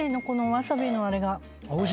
このわさびのあれが。